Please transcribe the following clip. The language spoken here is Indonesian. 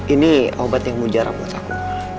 ini obat yang mujara buat aku